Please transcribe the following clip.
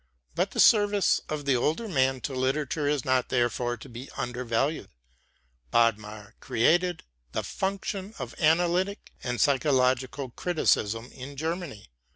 But the service of the older man to literature is not therefore to be undervalued. Bodmer created the function of analytic and psychological criticism in Germany.